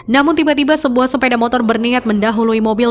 namun tiba tiba sebuah sepeda motor berniat mendahului mobil